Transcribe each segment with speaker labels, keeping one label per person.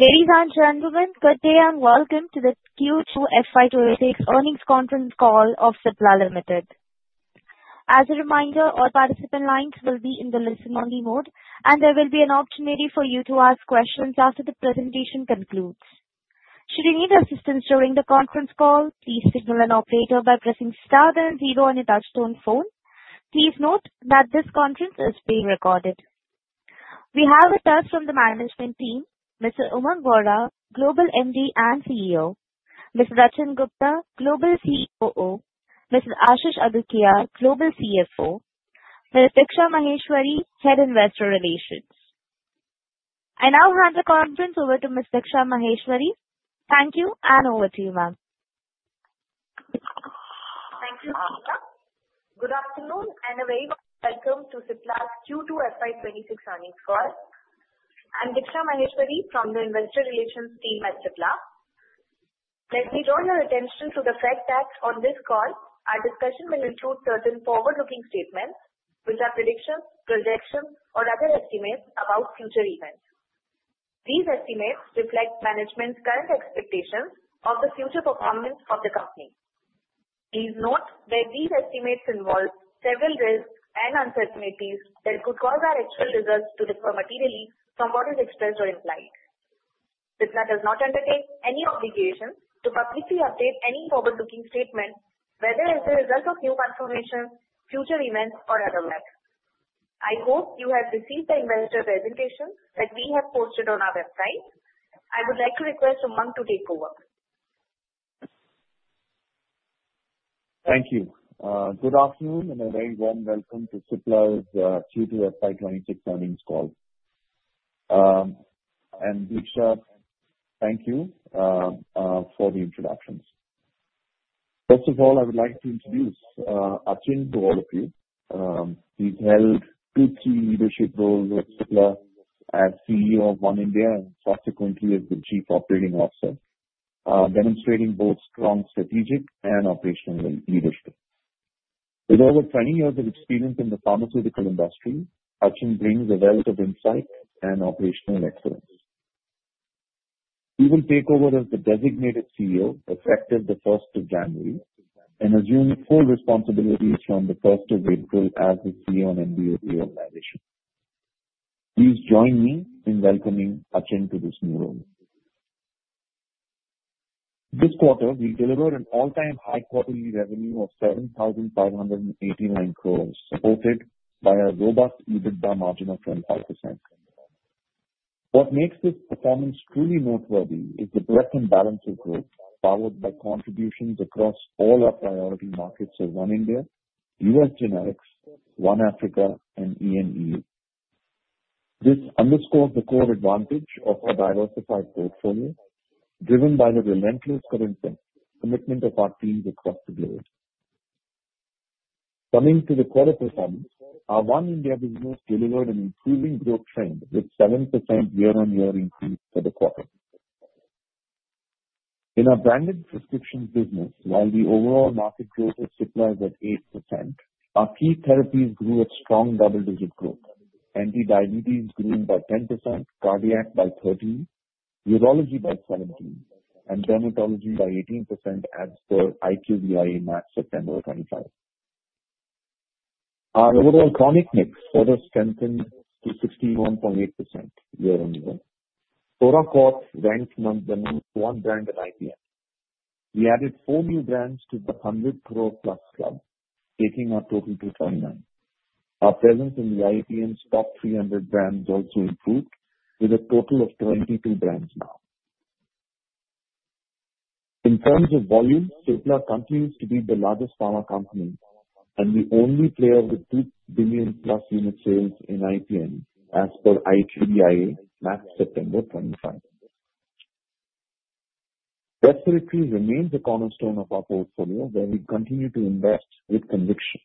Speaker 1: Ladies and gentlemen, good day, and Welcome to the Q2 FY 2026 Earnings Conference Call of Cipla Limited. We have with us from the management team, Mr. Umang Vohra, Global MD and CEO; Mr. Achin Gupta, Global COO; Mr. Ashish Adukia, Global CFO; Ms. Diksha Maheshwari, Head Investor Relations. I now hand the conference over to Ms. Diksha Maheshwari. Thank you, and over to you, ma'am.
Speaker 2: Good afternoon, and a very warm Welcome to Cipla's Q2 FY 2026 Earnings Call. I'm Diksha Maheshwari from the Investor Relations team at Cipla. Let me draw your attention to the fact that on this call, our discussion will include certain forward-looking statements, which are predictions, projections, or other estimates about future events. These estimates reflect management's current expectations of the future performance of the company. Please note that these estimates involve several risks and uncertainties that could cause our actual results to differ materially from what is expressed or implied. Cipla does not undertake any obligation to publicly update any forward-looking statement, whether as a result of new information, future events, or otherwise. I hope you have received the investor presentation that we have posted on our website. I would like to request Umang to take over.
Speaker 3: Thank you. Good afternoon and a very warm Welcome to Cipla's Q2 FY 2026 Earnings Call. And Diksha, thank you for the introductions. First of all, I would like to introduce Achin to all of you. He's held two key leadership roles at Cipla as CEO of One India and subsequently as the Chief Operating Officer, demonstrating both strong strategic and operational leadership. With over 20 years of experience in the pharmaceutical industry, Achin brings a wealth of insight and operational excellence. He will take over as the designated CEO effective the 1st of January and assume full responsibilities from the 1st of April as the CEO and MD of the organization. Please join me in welcoming Achin to this new role. This quarter, we delivered an all-time high quarterly revenue of 7,589 crores, supported by a robust EBITDA margin of 25%. What makes this performance truly noteworthy is the breadth and balance of growth, powered by contributions across all our priority markets of One India, U.S. Generics, One Africa, and EMEU. This underscores the core advantage of our diversified portfolio, driven by the relentless commitment of our teams across the globe. Coming to the quarter performance, our One India business delivered an improving growth trend with 7% year-on-year increase for the quarter. In our branded prescription business, while the overall market growth of Cipla is at 8%, our key therapies grew at strong double-digit growth: anti-diabetes grew by 10%, cardiac by 13%, urology by 17%, and dermatology by 18% as per IQVIA MAT September 2025. Our overall chronic mix further strengthened to 61.8% year-on-year. Foracort ranked among the most-won brands at IPM. We added four new brands to the 100 crore plus club, taking our total to 29. Our presence in the IPM's top 300 brands also improved, with a total of 22 brands now. In terms of volume, Cipla continues to be the largest pharma company, and we only play over 2 billion-plus unit sales in IPM as per IQVIA MAT September 2025. Respiratory remains the cornerstone of our portfolio, where we continue to invest with conviction.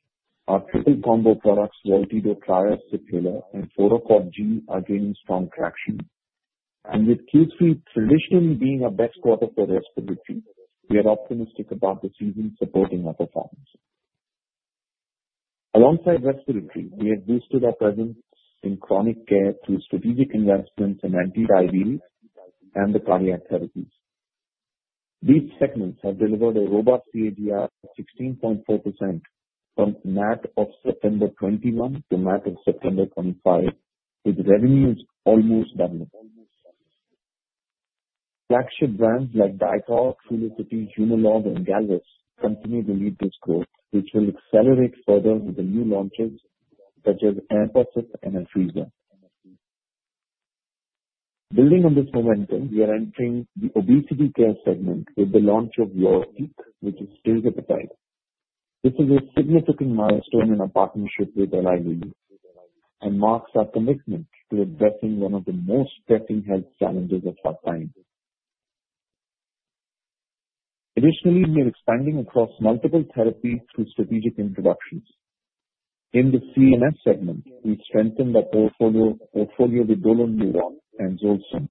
Speaker 3: Our triple combo products, VOLTIDO TRIO Ciphaler and Foracort G, are gaining strong traction, and with Q3 traditionally being our best quarter for respiratory, we are optimistic about the season supporting our performance. Alongside respiratory, we have boosted our presence in chronic care through strategic investments in anti-diabetes and the cardiac therapies. These segments have delivered a robust CAGR of 16.4% from MAT of September 2021 to MAT of September 2025, with revenues almost doubling. Flagship brands like Dytor, Trulicity, Humalog, and Galvus continue to lead this growth, which will accelerate further with the new launches such as Empacip and Afrezza. Building on this momentum, we are entering the obesity care segment with the launch of Yurpeak, which is tirzepatide. This is a significant milestone in our partnership with Eli Lilly and marks our commitment to addressing one of the most pressing health challenges of our time. Additionally, we are expanding across multiple therapies through strategic introductions. In the CNS segment, we strengthened our portfolio with Doloneuron and Zolsoma,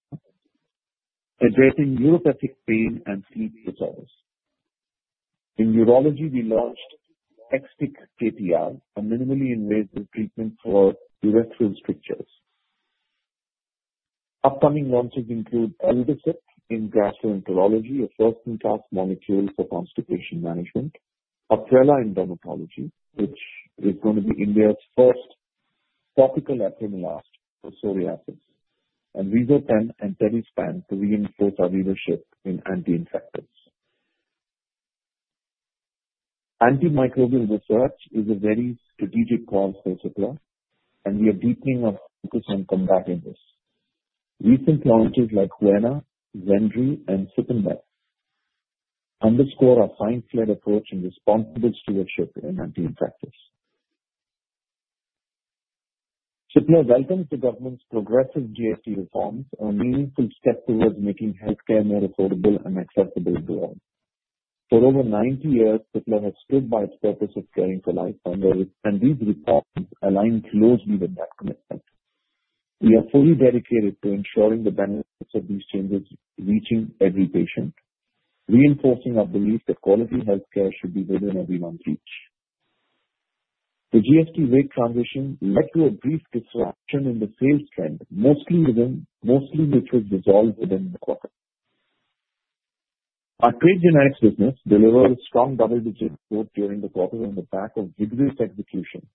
Speaker 3: addressing neuropathic pain and sleep disorders. In urology, we launched Xtiktr, a minimally invasive treatment for urethral strictures. Upcoming launches include ELBICIP in gastroenterology, a first-in-class molecule for constipation management, Aprezo in dermatology, which is going to be India's first topical Apremilast for psoriasis, and Rizontem and TEDISPAN to reinforce our leadership in anti-infectives. Antimicrobial research is a very strategic call for Cipla, and we are deepening our focus on combating this. Recent launches like HUENA, ZEMDRI, and Cipenmet underscore our science-led approach and responsible stewardship in anti-infectives. Cipla welcomes the government's progressive GST reforms, a meaningful step towards making healthcare more affordable and accessible to all. For over 90 years, Cipla has stood by its purpose of caring for life, and these reforms align closely with that commitment. We are fully dedicated to ensuring the benefits of these changes reach every patient, reinforcing our belief that quality healthcare should be within everyone's reach. The GST rate transition led to a brief disruption in the sales trend, most of which was resolved within the quarter. Our trade generics business delivered a strong double-digit growth during the quarter on the back of rigorous execution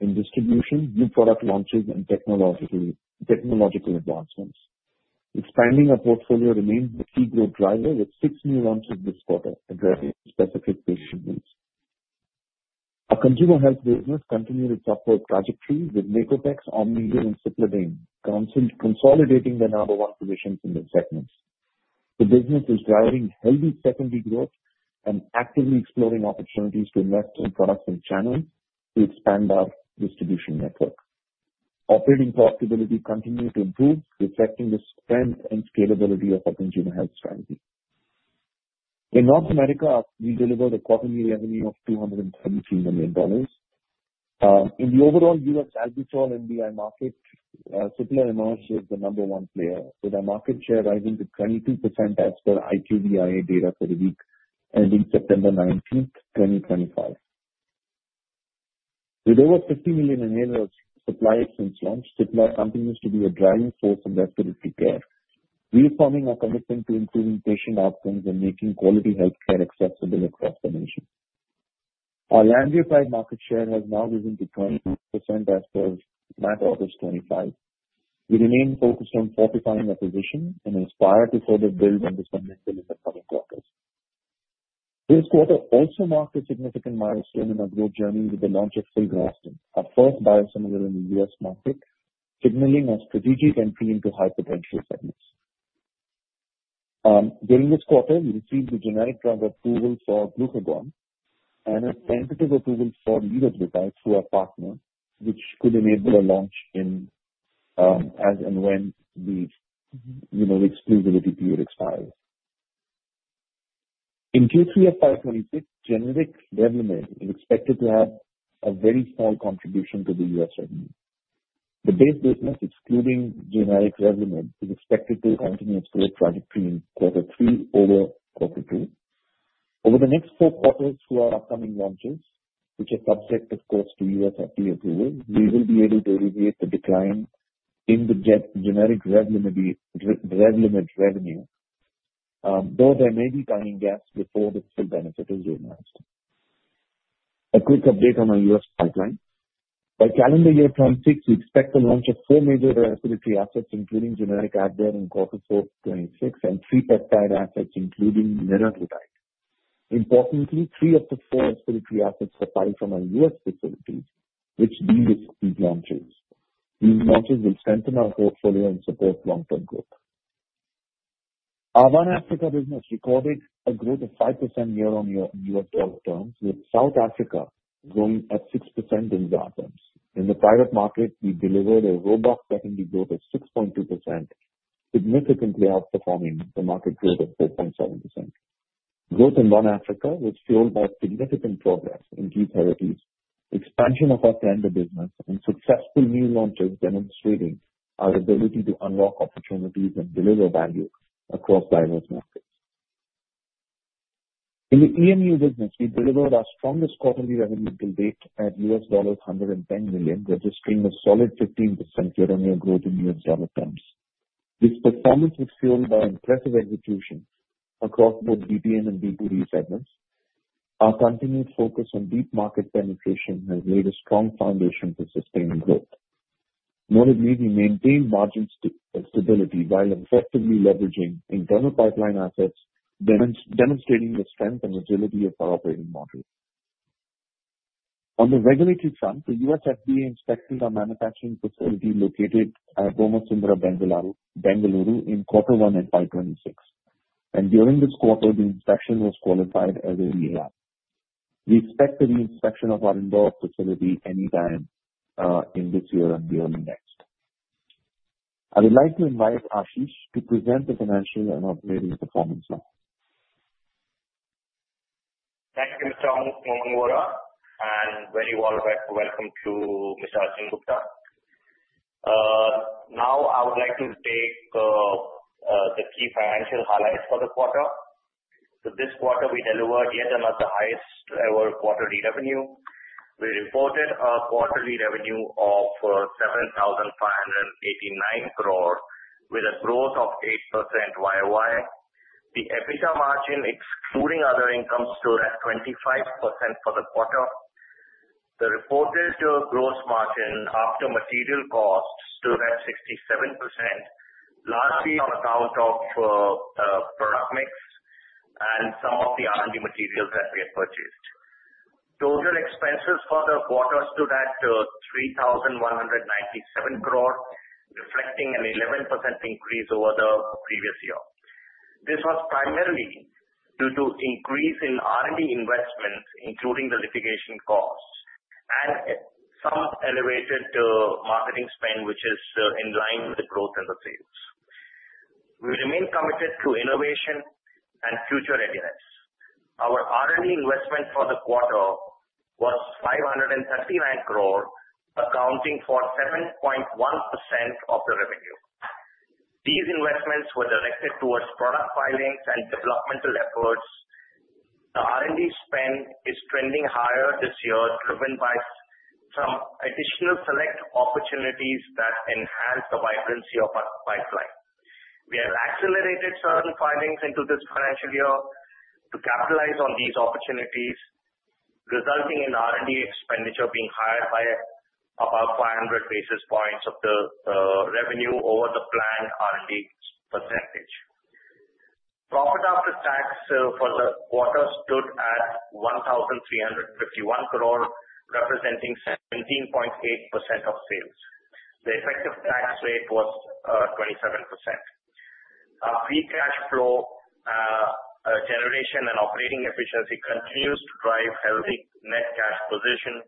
Speaker 3: in distribution, new product launches, and technological advancements. Expanding our portfolio remains the key growth driver, with six new launches this quarter addressing specific patient needs. Our Consumer Health business continued its upward trajectory with Nicotex, Omnigel, and Cipladine, consolidating their number one positions in the segments. The business is driving healthy secondary growth and actively exploring opportunities to invest in products and channels to expand our distribution network. Operating profitability continued to improve, reflecting the strength and scalability of our consumer health strategy. In North America, we delivered a quarterly revenue of $233 million. In the overall U.S. albuterol MDI market, Cipla emerged as the number one player, with our market share rising to 22% as per IQVIA data for the week ending September 19, 2025. With over 50 million inhalers supplied since launch, Cipla continues to be a driving force in respiratory care, reaffirming our commitment to improving patient outcomes and making quality healthcare accessible across the nation. Our lanreotide market share has now risen to 22% as per MAT August 2025. We remain focused on fortifying our position and aspire to further build on this momentum in the coming quarters. This quarter also marked a significant milestone in our growth journey with the launch of filgrastim, our first biosimilar in the U.S. market, signaling our strategic entry into high-potential segments. During this quarter, we received the generic drug approval for glucagon and a tentative approval for liraglutide through our partner, which could enable a launch as and when the exclusivity period expires. In Q3 FY 2026, generic Revlimid is expected to have a very small contribution to the U.S. revenue. The base business, excluding generic Revlimid, is expected to continue its growth trajectory in quarter three over quarter two. Over the next four quarters through our upcoming launches, which are subject, of course, to U.S. FDA approval, we will be able to alleviate the decline in the generic Revlimid revenue, though there may be timing gaps before the full benefit is realized. A quick update on our U.S. pipeline. By calendar year 2026, we expect the launch of four major respiratory assets, including generic Advair in quarter 4 2026, and three peptide assets, including liraglutide. Importantly, three of the four respiratory assets are coming from our U.S. facilities, which deal with these launches. These launches will strengthen our portfolio and support long-term growth. Our One Africa business recorded a growth of 5% year-on-year on U.S. dollar terms, with South Africa growing at 6% in ZAR terms. In the private market, we delivered a robust secondary growth of 6.2%, significantly outperforming the market growth of 4.7%. Growth in One Africa, which fueled our significant progress in key therapies, expansion of our tender business, and successful new launches demonstrating our ability to unlock opportunities and deliver value across diverse markets. In the EMEU business, we delivered our strongest quarterly revenue to date at $110 million, registering a solid 15% year-on-year growth in U.S. dollar terms. This performance was fueled by impressive execution across both DTM and B2B segments. Our continued focus on deep market penetration has laid a strong foundation for sustained growth. Notably, we maintained margin stability while effectively leveraging internal pipeline assets, demonstrating the strength and agility of our operating model. On the regulatory front, the U.S. FDA inspected our manufacturing facility located at Bommasandra, Bengaluru, in quarter one FY 2026, and during this quarter, the inspection was qualified as a VAI. We expect the reinspection of our facility any time in this year and the early next. I would like to invite Ashish to present the financial and operating performance now.
Speaker 4: Thank you, Mr. Umang Vohra, and very warm welcome to Mr. Achin Gupta. Now, I would like to take the key financial highlights for the quarter. So this quarter, we delivered yet another highest-ever quarterly revenue. We reported a quarterly revenue of 7,589 crore, with a growth of 8% YoY. The EBITDA margin, excluding other income, stood at 25% for the quarter. The reported gross margin after material costs stood at 67%, largely on account of product mix and some of the R&D materials that we had purchased. Total expenses for the quarter stood at 3,197 crore, reflecting an 11% increase over the previous year. This was primarily due to an increase in R&D investments, including the litigation costs, and some elevated marketing spend, which is in line with the growth in the sales. We remain committed to innovation and future readiness. Our R&D investment for the quarter was 539 crore, accounting for 7.1% of the revenue. These investments were directed towards product filings and developmental efforts. The R&D spend is trending higher this year, driven by some additional select opportunities that enhance the vibrancy of our pipeline. We have accelerated certain filings into this financial year to capitalize on these opportunities, resulting in R&D expenditure being higher by about 500 basis points of the revenue over the planned R&D percentage. Profit after tax for the quarter stood at 1,351 crore, representing 17.8% of sales. The effective tax rate was 27%. Our free cash flow generation and operating efficiency continues to drive a healthy net cash position.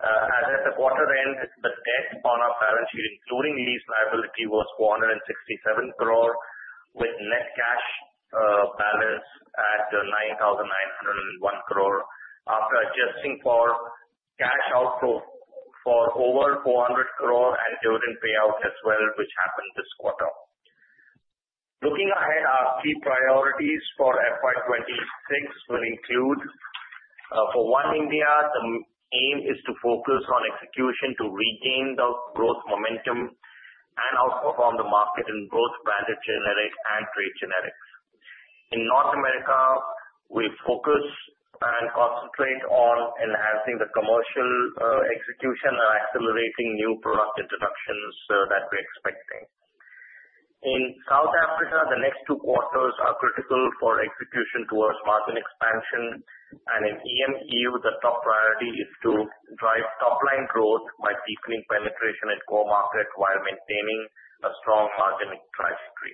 Speaker 4: As at the quarter end, the debt on our balance sheet, including lease liability, was 467 crore, with net cash balance at 9,901 crore after adjusting for cash outflow for over 400 crore and dividend payout as well, which happened this quarter. Looking ahead, our key priorities for FY 2026 will include for One India. The aim is to focus on execution to regain the growth momentum and outperform the market in both branded generics and trade generics. In North America, we focus and concentrate on enhancing the commercial execution and accelerating new product introductions that we're expecting. In South Africa, the next two quarters are critical for execution towards margin expansion. And in EMEU, the top priority is to drive top-line growth by deepening penetration in core market while maintaining a strong margin trajectory.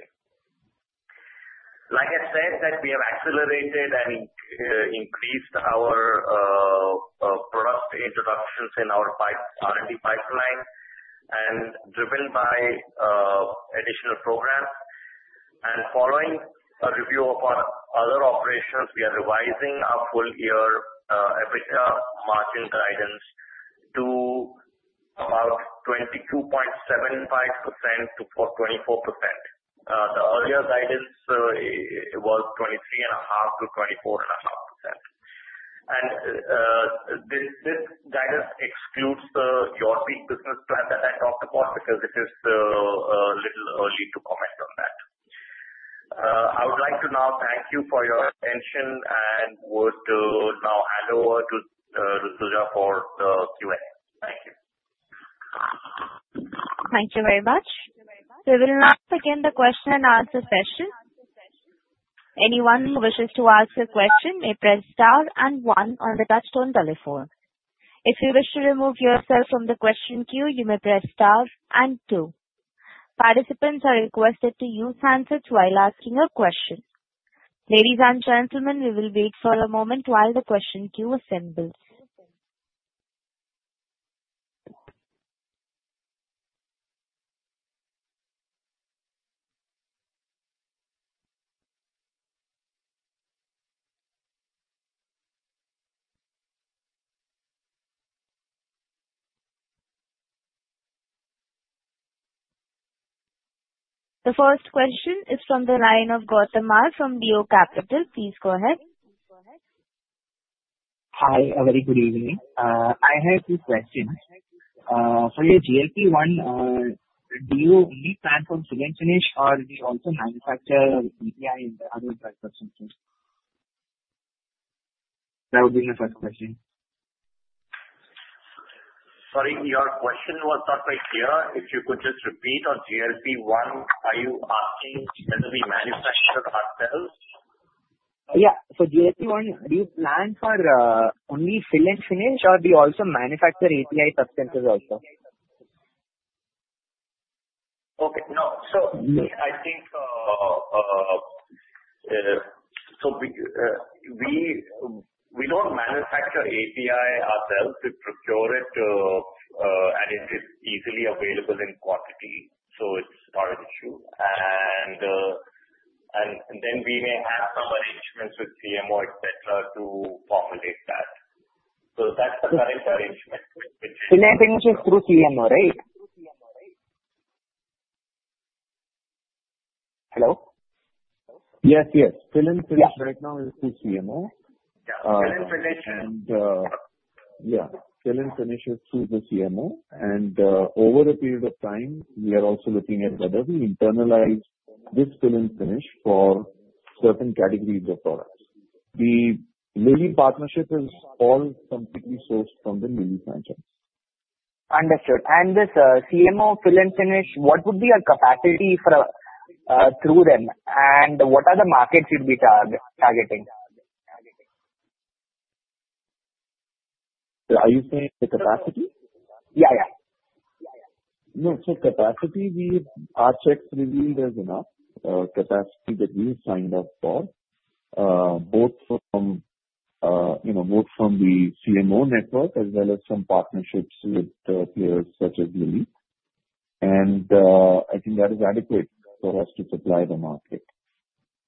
Speaker 4: Like I said, we have accelerated and increased our product introductions in our R&D pipeline and driven by additional programs. And following a review of our other operations, we are revising our full-year EBITDA margin guidance to about 22.75%-24%. The earlier guidance was 23.5%-24.5%. And this guidance excludes the Yurpeak business plan that I talked about because it is a little early to comment on that. I would like to now thank you for your attention and would now hand over to operator for the Q&A. Thank you.
Speaker 1: Thank you very much. We will now begin the question-and-answer session. The first question is from the line of Gautam R from Leo Capital. Please go ahead.
Speaker 5: Hi, a very good evening. I have two questions. For your GLP-1, do you only plan for pen finish, or do you also manufacture API and other types of finishes? That would be my first question.
Speaker 4: Sorry, your question was not very clear. If you could just repeat on GLP-1, are you asking whether we manufacture ourselves?
Speaker 5: Yeah. For GLP-1, do you plan for only semi-finished, or do you also manufacture API substances?
Speaker 4: Okay. No. So I think we don't manufacture API ourselves. We procure it, and it is easily available in quantity, so it's not an issue. And then we may have some arrangements with CMO, etc., to formulate that. So that's the current arrangement.
Speaker 5: Fill and finish through CMO, right? Hello?
Speaker 3: Yes, yes. Fill and finish right now is through CMO.
Speaker 5: Yeah. Fill and finish.
Speaker 3: Yeah. Fill and finish is through the CMO. Over a period of time, we are also looking at whether we internalize this fill-finish for certain categories of products. The Lilly partnership is all completely sourced from the Lilly franchise.
Speaker 5: Understood. And this CMO fill and finish, what would be your capacity through them, and what are the markets you'd be targeting?
Speaker 3: Are you saying the capacity?
Speaker 5: Yeah, yeah.
Speaker 3: No, so capacity, our checks reveal there's enough capacity that we've signed up for, both from the CMO network as well as some partnerships with players such as Lilly. And I think that is adequate for us to supply the market.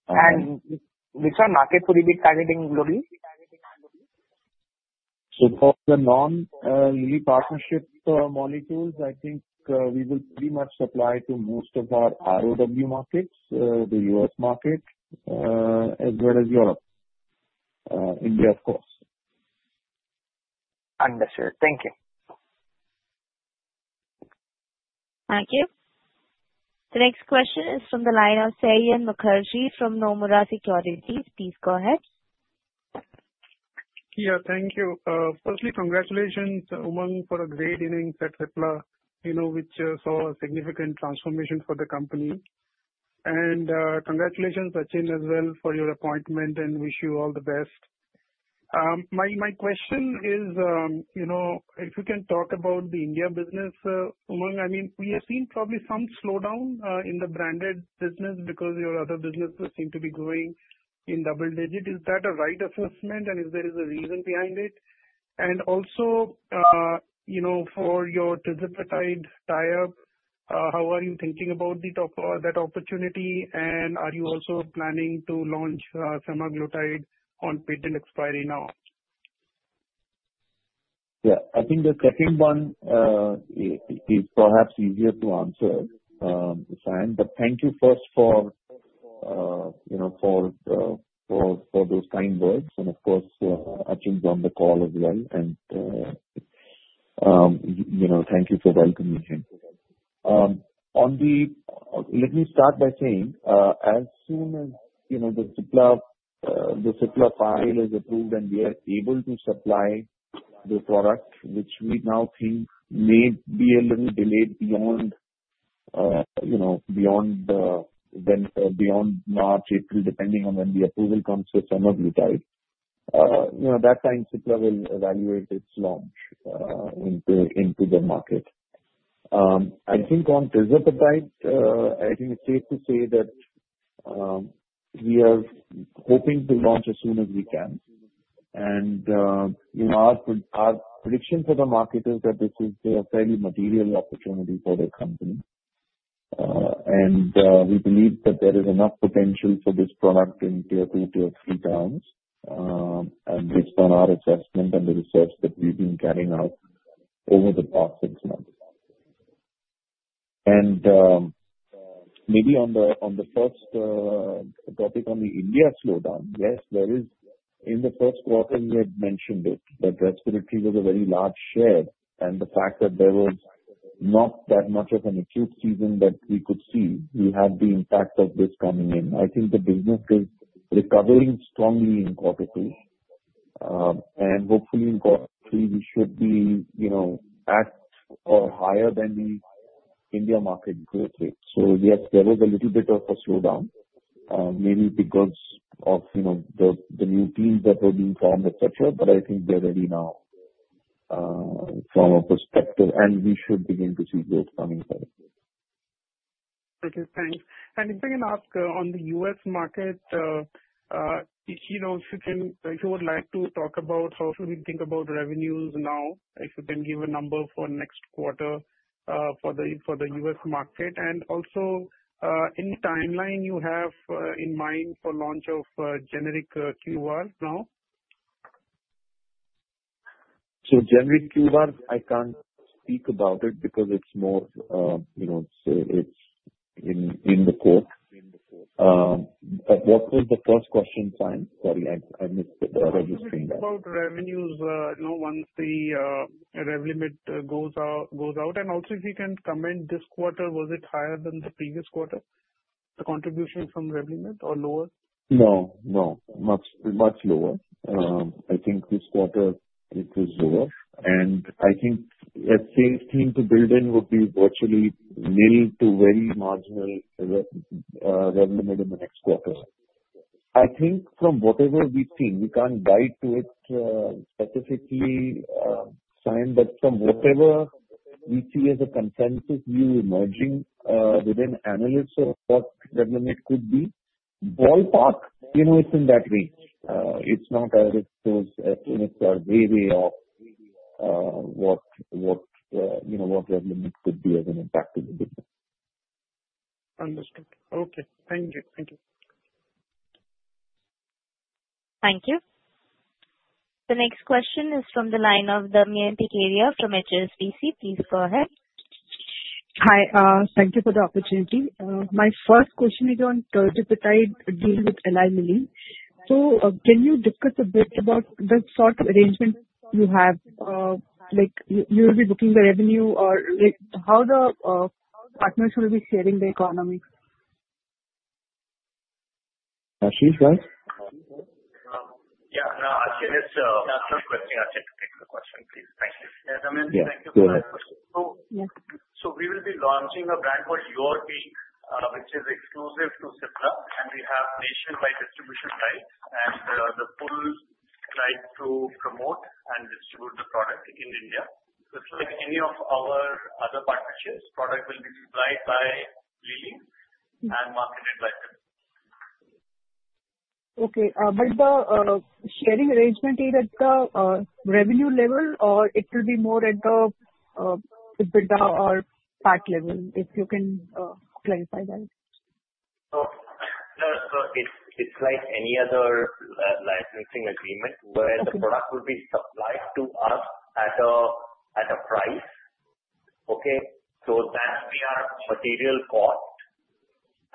Speaker 5: Which one market would you be targeting globally?
Speaker 3: For the non-Lilly partnership molecules, I think we will pretty much supply to most of our ROW markets, the U.S. market, as well as Europe, India, of course.
Speaker 5: Understood. Thank you.
Speaker 1: Thank you. The next question is from the line of Saion Mukherjee from Nomura Securities. Please go ahead.
Speaker 6: Yeah, thank you. Firstly, congratulations, Umang, for a great innings at Cipla, which saw a significant transformation for the company. And congratulations, Achin, as well, for your appointment, and wish you all the best. My question is, if you can talk about the India business, Umang, I mean, we have seen probably some slowdown in the branded business because your other businesses seem to be growing in double digit. Is that a right assessment, and if there is a reason behind it? And also, for your tirzepatide tie-up, how are you thinking about that opportunity, and are you also planning to launch semaglutide on patent expiry now?
Speaker 3: Yeah. I think the second one is perhaps easier to answer, Saion, but thank you first for those kind words, and of course, Achin's on the call as well. And thank you for welcoming him. Let me start by saying, as soon as the Cipla file is approved and we are able to supply the product, which we now think may be a little delayed beyond March, April, depending on when the approval comes for semaglutide, that time, Cipla will evaluate its launch into the market. I think on tirzepatide, I think it's safe to say that we are hoping to launch as soon as we can. And our prediction for the market is that this is a fairly material opportunity for the company. We believe that there is enough potential for this product in tier two, tier three terms, based on our assessment and the research that we've been carrying out over the past six months. Maybe on the first topic, on the India slowdown, yes, there is. In the first quarter, you had mentioned it, that respiratory was a very large share, and the fact that there was not that much of an acute season that we could see, we had the impact of this coming in. I think the business is recovering strongly in quarter two. Hopefully, in quarter three, we should be at or higher than the India market growth rate. So yes, there was a little bit of a slowdown, maybe because of the new teams that were being formed, etc., but I think we're ready now from a perspective, and we should begin to see growth coming forward.
Speaker 6: Okay. Thanks. And if I can ask on the U.S. market, if you would like to talk about how should we think about revenues now, if you can give a number for next quarter for the U.S. market, and also any timeline you have in mind for launch of generic QVAR now?
Speaker 3: So generic QVAR, I can't speak about it because it's more in the court. But what was the first question, Saion? Sorry, I missed registering that.
Speaker 6: About revenues, once the Revlimid goes out, and also if you can comment, this quarter, was it higher than the previous quarter, the contribution from Revlimid, or lower?
Speaker 3: No, no. Much lower. I think this quarter it was lower. And I think a safe thing to build in would be virtually little to very marginal Revlimid in the next quarter. I think from whatever we've seen, we can't dive to it specifically, Saion, but from whatever we see as a consensus view emerging within analysts of what Revlimid could be, ballpark, it's in that range. It's not as if those estimates are way, way off what Revlimid could be as an impact to the business.
Speaker 6: Understood. Okay. Thank you. Thank you.
Speaker 1: Thank you. The next question is from the line of Damayanti Kerai from HSBC. Please go ahead.
Speaker 7: Hi. Thank you for the opportunity. My first question is on tirzepatide deal with Eli Lilly. So can you discuss a bit about the sort of arrangement you have? You will be booking the revenue, or how the partners will be sharing the economics?
Speaker 3: She's right.
Speaker 4: Yeah. No, Achin, it's a quick thing. Achin, take the question, please. Thank you.
Speaker 3: Yeah. Go ahead.
Speaker 7: Yeah.
Speaker 8: So we will be launching a brand called Yortiq, which is exclusive to Cipla, and we have nationwide distribution rights and the full right to promote and distribute the product in India. Just like any of our other partnerships, the product will be supplied by Lilly and marketed by Cipla.
Speaker 7: Okay, but the sharing arrangement is at the revenue level, or it will be more at the EBITDA or PAT level? If you can clarify that.
Speaker 4: So it's like any other licensing agreement where the product will be supplied to us at a price, okay? So that's our material cost,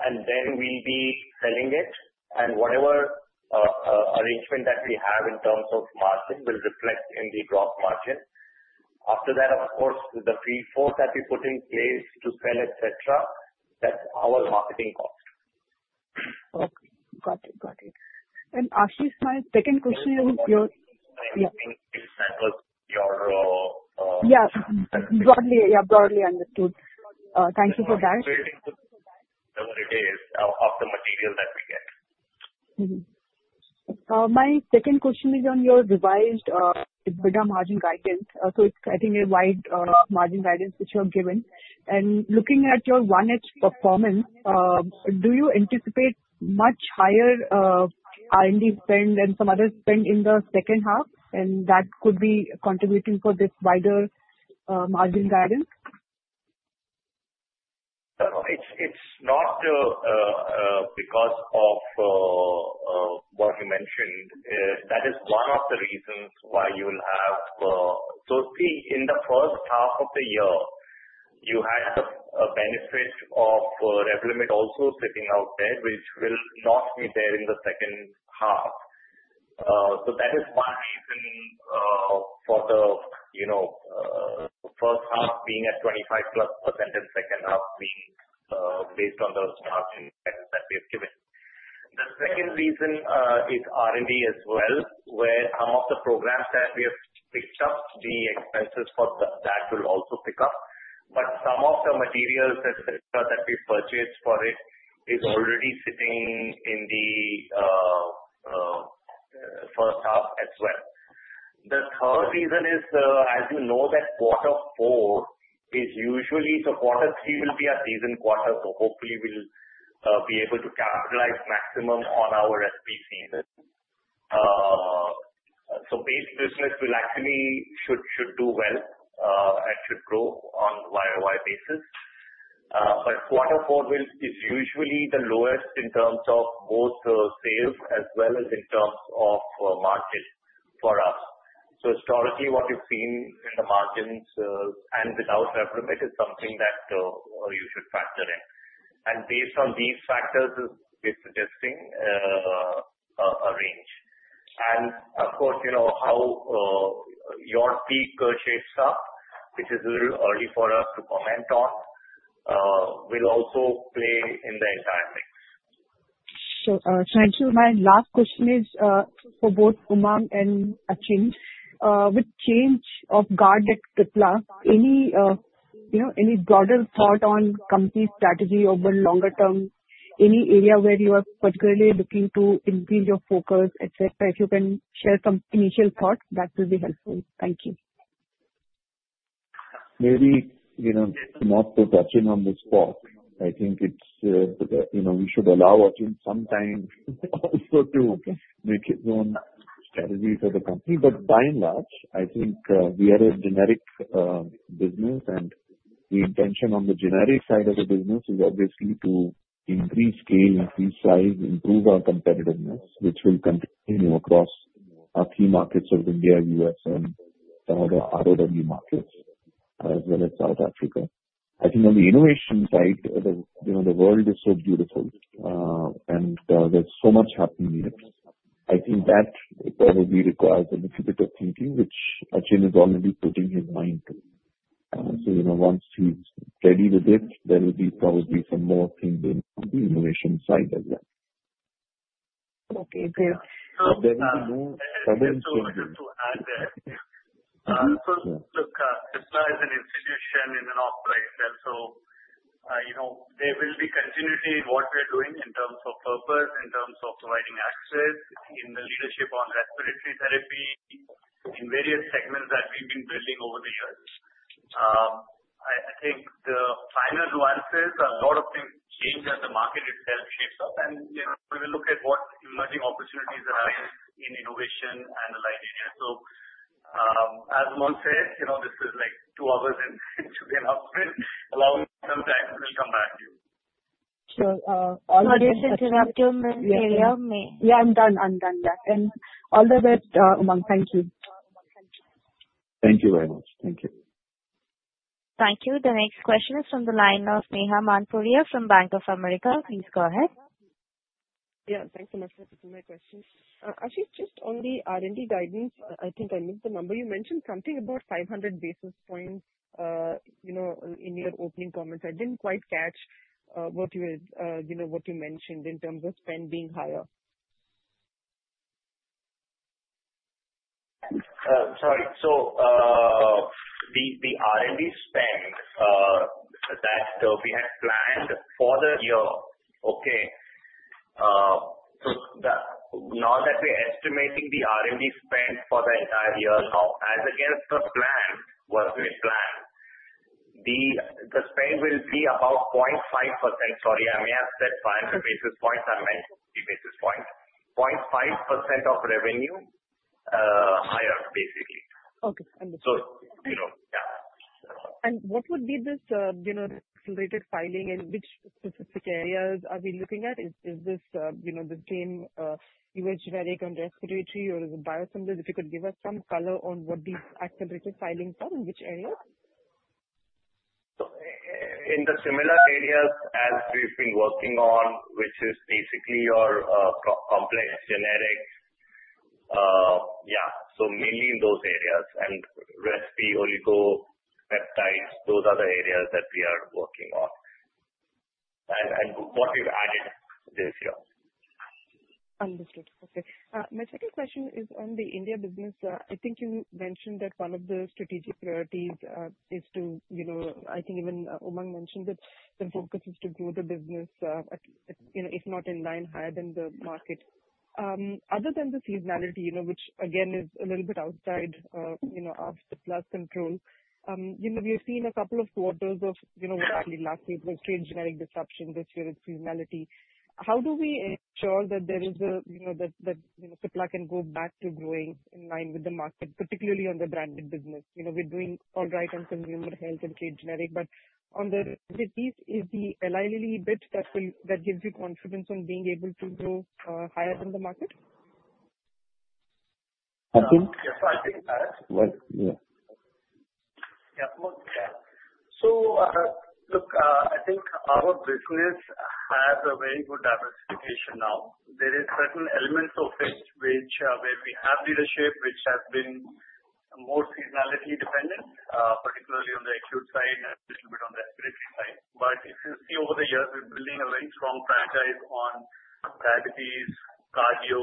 Speaker 4: and then we'll be selling it. And whatever arrangement that we have in terms of margin will reflect in the gross margin. After that, of course, the sales force that we put in place to sell, etc., that's our marketing cost.
Speaker 7: Okay. Got it. Got it, and Ashish, my second question is your.
Speaker 4: I think that was your.
Speaker 7: Yeah. Broadly, yeah, broadly understood. Thank you for that.
Speaker 4: Whatever it is of the material that we get.
Speaker 7: My second question is on your revised EBITDA margin guidance. So it's, I think, a wide margin guidance which you have given. And looking at your 1H performance, do you anticipate much higher R&D spend than some others spend in the second half? And that could be contributing for this wider margin guidance.
Speaker 4: It's not because of what you mentioned. That is one of the reasons why you will have so in the first half of the year, you had the benefit of Revlimid also sitting out there, which will not be there in the second half. So that is one reason for the first half being at 25 plus percent, and second half being based on the margin guidance that we have given. The second reason is R&D as well, where some of the programs that we have picked up, the expenses for that will also pick up. But some of the materials, etc., that we purchased for it is already sitting in the first half as well. The third reason is, as you know, that quarter four is usually so quarter three will be a season quarter, so hopefully, we'll be able to capitalize maximum on our respi season. So base business will actually should do well and should grow on a YoY basis. But quarter four is usually the lowest in terms of both sales as well as in terms of margin for us. So historically, what you've seen in the margins and without Revlimid is something that you should factor in. And based on these factors, we're suggesting a range. And of course, how Yurpeak shapes up, which is a little early for us to comment on, will also play in the entire mix.
Speaker 7: Sure. Thank you. My last question is for both Umang and Achin. With change of guard at Cipla, any broader thought on company strategy over longer term, any area where you are particularly looking to increase your focus, etc.? If you can share some initial thought, that will be helpful. Thank you.
Speaker 3: Maybe more to Achin on this part. I think we should allow Achin some time also to make his own strategy for the company. But by and large, I think we are a generic business, and the intention on the generic side of the business is obviously to increase scale, increase size, improve our competitiveness, which will continue across our key markets of India, U.S., and some of the ROW markets, as well as South Africa. I think on the innovation side, the world is so beautiful, and there's so much happening in it. I think that probably requires a little bit of thinking, which Achin is already putting his mind to. So once he's ready with it, there will be probably some more things on the innovation side as well.
Speaker 7: Okay. Great.
Speaker 3: There will be no sudden changes.
Speaker 8: I just wanted to add there. Look, Cipla is an institution in and of itself. So there will be continuity in what we're doing in terms of purpose, in terms of providing access, in the leadership on respiratory therapy, in various segments that we've been building over the years. I think the final nuances, a lot of things change as the market itself shapes up, and we will look at what emerging opportunities arise in innovation and the light area. So as Umang said, this is like two hours into the announcement. Allow me some time. We'll come back to you.
Speaker 7: Sure. All the best.
Speaker 1: How do you think you'll have to meet?
Speaker 7: Yeah, I'm done. I'm done. Yeah, and all the best, Umang. Thank you.
Speaker 3: Thank you very much. Thank you.
Speaker 1: Thank you. The next question is from the line of Neha Manpuria from Bank of America. Please go ahead.
Speaker 9: Yeah. Thanks so much for taking my question. Actually, just on the R&D guidance, I think I missed the number. You mentioned something about 500 basis points in your opening comments. I didn't quite catch what you mentioned in terms of spend being higher.
Speaker 4: Sorry. So the R&D spend that we had planned for the year, okay? So now that we're estimating the R&D spend for the entire year now, as against the plan, what we planned, the spend will be about 0.5%. Sorry, I may have said 500 basis points. I meant 50 basis points. 0.5% of revenue higher, basically.
Speaker 9: Okay. Understood. And what would be this accelerated filing, and which specific areas are we looking at? Is this the same varenicline, respiratory, or is it biosimilar? If you could give us some color on what these accelerated filings are in, which areas?
Speaker 4: So in the similar areas as we've been working on, which is basically your complex generics, yeah. So mainly in those areas. And respi, oligos, peptides, those are the areas that we are working on. And what we've added this year.
Speaker 9: Understood. Okay. My second question is on the India business. I think you mentioned that one of the strategic priorities is to I think even Umang mentioned that the focus is to grow the business, if not in line, higher than the market. Other than the seasonality, which again is a little bit outside of Cipla's control, we have seen a couple of quarters of what happened last year was trade generic disruption this year it's seasonality. How do we ensure that there is a that Cipla can go back to growing in line with the market, particularly on the branded business? We're doing all right on consumer health and trade generic. But on the branded piece is the Eli Lilly bit that gives you confidence on being able to grow higher than the market?
Speaker 3: Achin?
Speaker 8: Yes, I think that.
Speaker 3: Yeah.
Speaker 8: Yeah. Look, yeah. So look, I think our business has a very good diversification now. There are certain elements of it where we have leadership which has been more seasonality dependent, particularly on the acute side and a little bit on the respiratory side. But if you see over the years, we're building a very strong franchise on diabetes, cardio,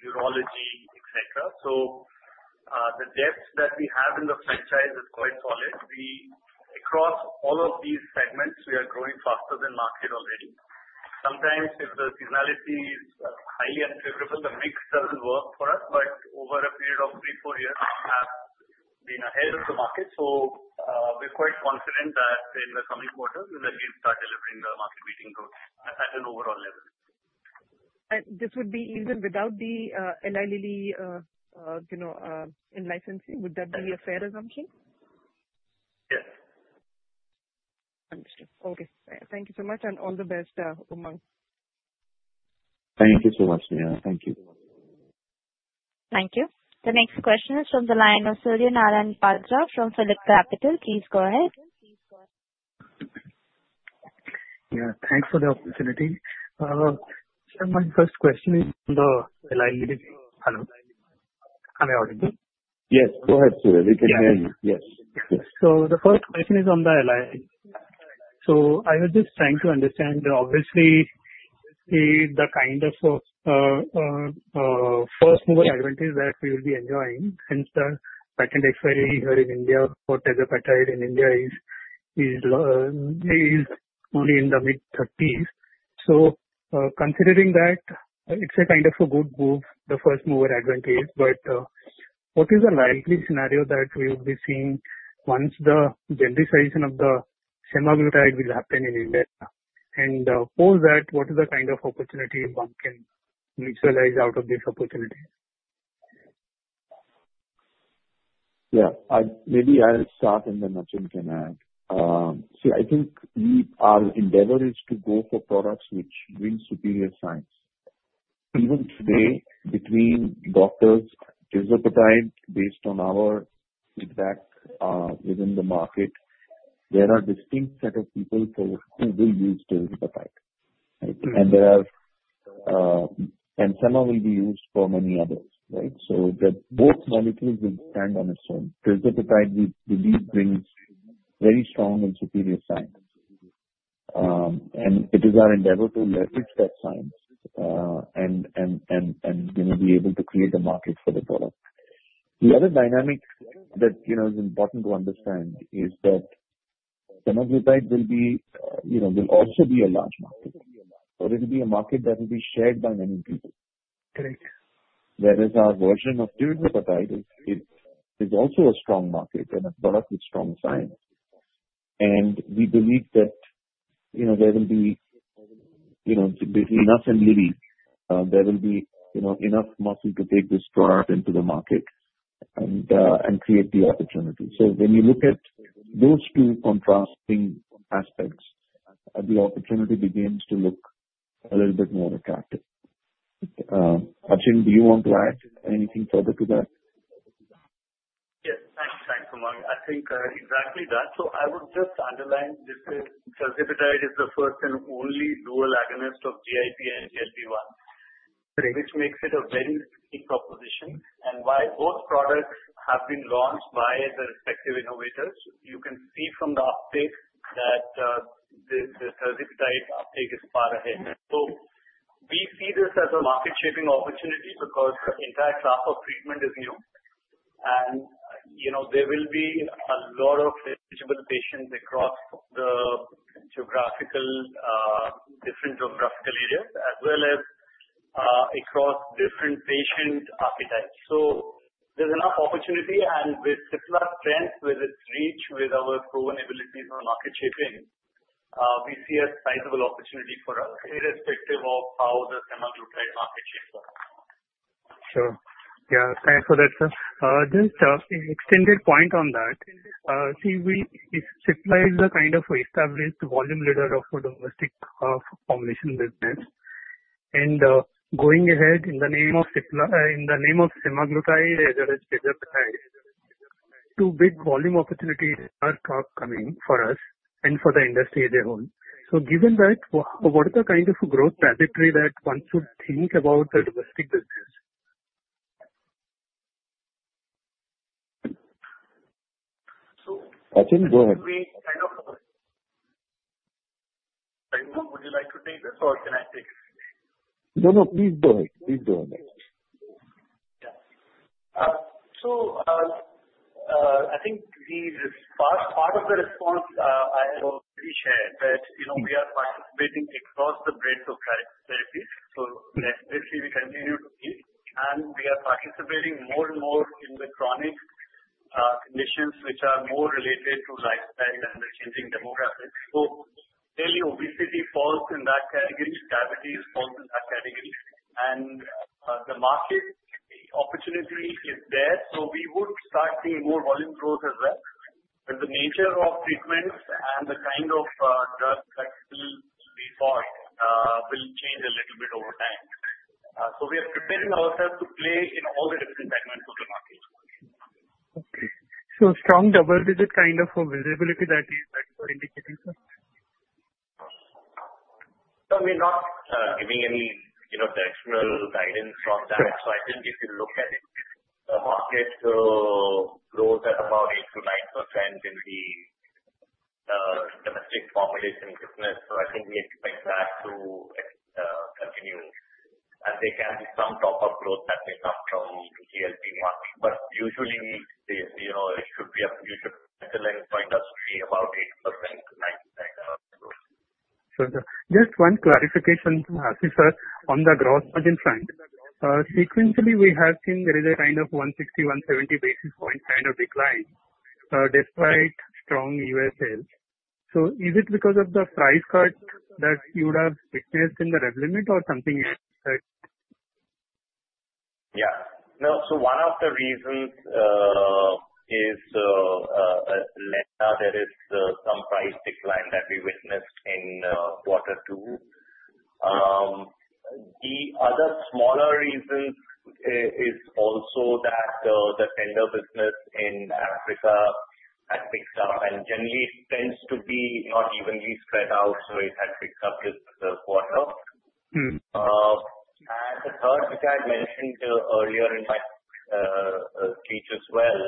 Speaker 8: urology, etc. So the depth that we have in the franchise is quite solid. Across all of these segments, we are growing faster than market already. Sometimes if the seasonality is highly unfavorable, the mix doesn't work for us. But over a period of three, four years, we have been ahead of the market. So we're quite confident that in the coming quarter, we will again start delivering the market-beating growth at an overall level.
Speaker 9: This would be even without the Eli Lilly in-licensing. Would that be a fair assumption?
Speaker 8: Yes.
Speaker 9: Understood. Okay. Thank you so much. And all the best, Umang.
Speaker 3: Thank you so much, Neha. Thank you.
Speaker 1: Thank you. The next question is from the line of Surya Narayan Patra from PhillipCapital. Please go ahead.
Speaker 10: Yeah. Thanks for the opportunity. My first question is on the Eli Lilly. Hello? Can you hear me?
Speaker 3: Yes. Go ahead, Surya. We can hear you. Yes.
Speaker 10: So the first question is on the Eli Lilly. So I was just trying to understand. Obviously, the kind of first mover advantage that we will be enjoying since the patent expiry here in India for tirzepatide in India is only in the mid-30s. So considering that, it's a kind of a good move, the first mover advantage. But what is the likely scenario that we will be seeing once the genericization of the semaglutide will happen in India? And post that, what is the kind of opportunity one can utilize out of this opportunity?
Speaker 3: Yeah. Maybe I'll start, and then Achin can add. See, I think our endeavor is to go for products which bring superior science. Even today, between doctors, tirzepatide based on our feedback within the market, there are a distinct set of people who will use tirzepatide. semaglutide will be used for many others, right? So that both molecules will stand on its own. tirzepatide, we believe, brings very strong and superior science. And it is our endeavor to leverage that science and be able to create a market for the product. The other dynamic that is important to understand is that semaglutide will also be a large market. So it will be a market that will be shared by many people. Whereas our version of tirzepatide is also a strong market and a product with strong science. And we believe that there will be between us and Lilly enough muscle to take this product into the market and create the opportunity. So when you look at those two contrasting aspects, the opportunity begins to look a little bit more attractive. Achin, do you want to add anything further to that?
Speaker 8: Yes. Thanks, Umang. I think exactly that. So I would just underline this is tirzepatide is the first and only dual agonist of GIP and GLP-1, which makes it a very unique proposition. And while both products have been launched by the respective innovators, you can see from the uptake that the tirzepatide uptake is far ahead. So we see this as a market-shaping opportunity because the entire class of treatment is new. And there will be a lot of eligible patients across the different geographical areas as well as across different patient archetypes. So there's enough opportunity. And with Cipla's strength, with its reach, with our proven abilities on market shaping, we see a sizable opportunity for us irrespective of how the semaglutide market shapes up.
Speaker 10: Sure. Yeah. Thanks for that, sir. Just an extended point on that. See, Cipla is a kind of established volume leader of our domestic formulation business. And going ahead in the name of semaglutide as well as tirzepatide, two big volume opportunities are coming for us and for the industry as a whole. So given that, what is the kind of growth trajectory that one should think about the domestic business?
Speaker 3: Achin, go ahead.
Speaker 8: Would you like to take this, or can I take it?
Speaker 3: No, no. Please go ahead. Please go ahead.
Speaker 8: Yeah. So I think the part of the response I already shared that we are participating across the breadth of therapies. So basically, we continue to see. And we are participating more and more in the chronic conditions which are more related to lifestyle and the changing demographics. So clearly, obesity falls in that category. Diabetes falls in that category. And the market opportunity is there. So we would start seeing more volume growth as well. But the nature of treatments and the kind of drugs that will be sought will change a little bit over time. So we are preparing ourselves to play in all the different segments of the market.
Speaker 10: Okay. So strong double-digit kind of visibility that you're indicating, sir?
Speaker 4: No we're not giving any actual guidance on that. So I think if you look at it, the market grows at about 8%-9% in the domestic formulation business. So I think we expect that to continue. And there can be some top-up growth that may come from GLP-1. But usually, it should be a fair estimate for the industry about 8%-9% growth.
Speaker 10: Sure. Just one clarification, sir, on the gross margin front. Sequentially, we have seen there is a kind of 160-170 basis points kind of decline despite strong U.S. sales. So is it because of the price cut that you would have witnessed in the Revlimid or something else?
Speaker 4: Yeah. No. So one of the reasons is now there is some price decline that we witnessed in quarter two. The other smaller reason is also that the tender business in Africa had picked up. And generally, it tends to be not evenly spread out. So it had picked up this quarter. And the third, which I had mentioned earlier in my speech as well,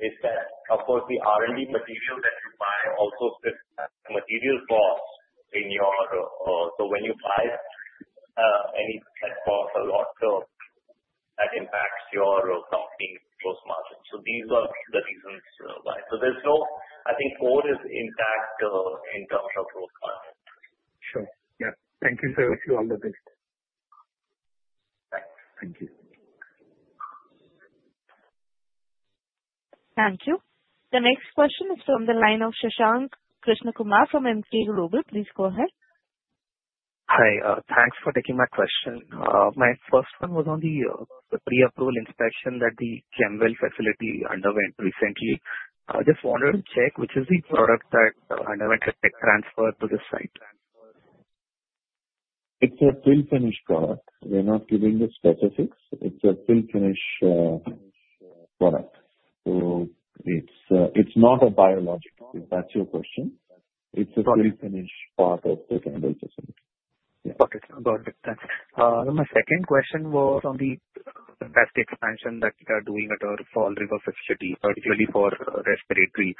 Speaker 4: is that, of course, the R&D material that you buy also hits the material cost in your cost. So when you buy any. That costs a lot. So that impacts your company's gross margin. So these are the reasons why. So there's no. I think core is intact in terms of gross margin.
Speaker 10: Sure. Yeah. Thank you, sir, to all of this.
Speaker 8: Thanks. Thank you.
Speaker 1: Thank you. The next question is from the line of Shashank Krishnakumar from Emkay Global. Please go ahead.
Speaker 11: Hi. Thanks for taking my question. My first one was on the pre-approval inspection that the Kemwell facility underwent recently. I just wanted to check which is the product that underwent a tech transfer to the site.
Speaker 3: It's a fill-finish product. We're not giving the specifics. It's a fill-finish product. So it's not a biologic. If that's your question, it's a fill-finish part of the Kemwell facility.
Speaker 11: Got it. Got it. Thanks. My second question was on the domestic expansion that you are doing at our Fall River facility, particularly for respiratory.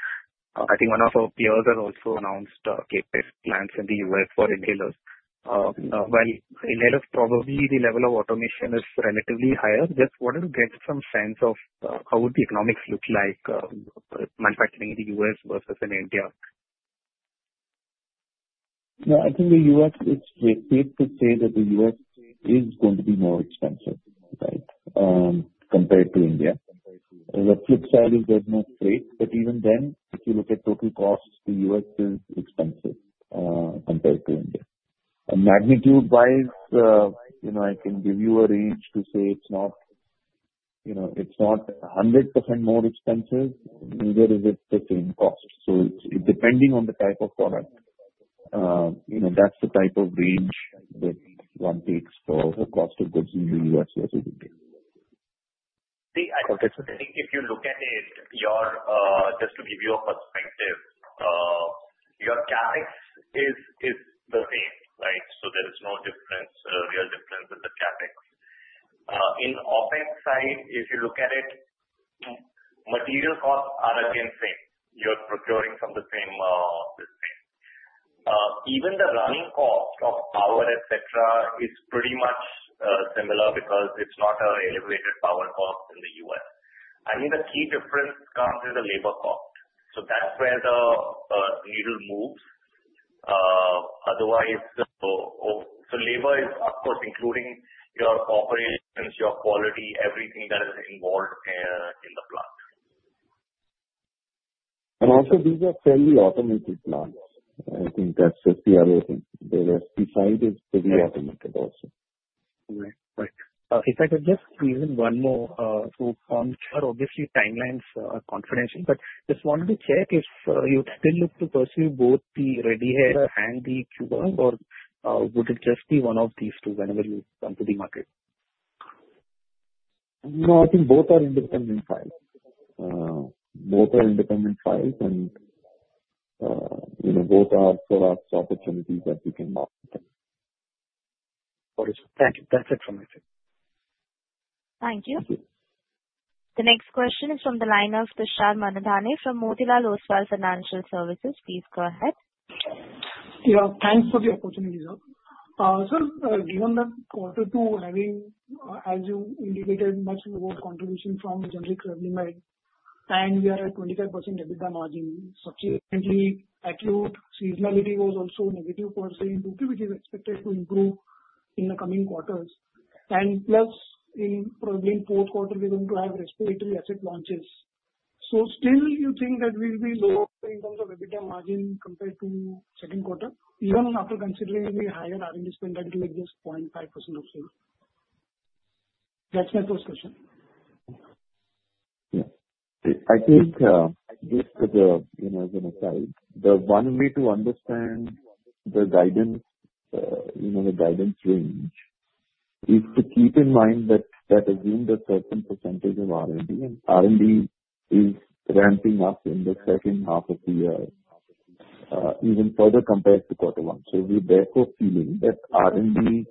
Speaker 11: I think one of our peers has also announced capex plans in the U.S. for inhalers. While inhalers, probably the level of automation is relatively higher, just wanted to get some sense of how would the economics look like manufacturing in the US versus in India.
Speaker 3: Yeah. I think the US is straight. It's safe to say that the US is going to be more expensive, right, compared to India. The flip side is there's no freight. But even then, if you look at total cost, the US is expensive compared to India. And magnitude-wise, I can give you a range to say it's not 100% more expensive. Either it's the same cost. So depending on the type of product, that's the type of range that one takes for the cost of goods in the US versus India.
Speaker 4: See, I think if you look at it, just to give you a perspective, your CapEx is the same, right? So there is no real difference in the CapEx. In OpEx side, if you look at it, material costs are again the same. You're procuring from the same thing. Even the running cost of power, etc., is pretty much similar because it's not an elevated power cost in the US. I think the key difference comes in the labor cost. So that's where the needle moves. Otherwise, so labor is, of course, including your operations, your quality, everything that is involved in the plant.
Speaker 3: Also, these are fairly automated plants. I think that's just the other thing. The respi side is pretty automated also.
Speaker 11: Right. Right. If I could just squeeze in one more quick one. Obviously, timelines are confidential, but just wanted to check if you'd still look to pursue both the RediHaler and the QVAR, or would it just be one of these two whenever you come to the market?
Speaker 3: No, I think both are independent files. Both are independent files, and both are products opportunities that we can market.
Speaker 11: Got it. Thank you. That's it from my side.
Speaker 1: Thank you.
Speaker 3: Thank you.
Speaker 1: The next question is from the line of Tushar Manudhane from Motilal Oswal Financial Services. Please go ahead.
Speaker 12: Yeah. Thanks for the opportunity, sir. Sir, given that quarter two having, as you indicated, much of our contribution from generic ready-made, and we are at 25% EBITDA margin, subsequently acute seasonality was also negative for Cipla, okay, which is expected to improve in the coming quarters. And plus, probably in fourth quarter, we're going to have respiratory asset launches. So still, you think that we'll be lower in terms of EBITDA margin compared to second quarter, even after considering the higher R&D spend that we have just 0.5% of sales? That's my first question.
Speaker 3: Yeah. I think just as an aside, the one way to understand the guidance range is to keep in mind that we assume a certain percentage of R&D. R&D is ramping up in the second half of the year, even further compared to quarter one. So we're therefore frontloading R&D.